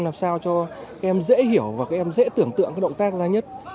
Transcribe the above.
làm sao cho các em dễ hiểu và các em dễ tưởng tượng cái động tác ra nhất